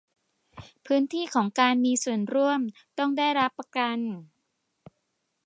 พื้นที่ของการมืส่วนร่วมต้องได้รับประกัน